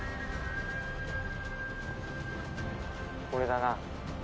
これだな。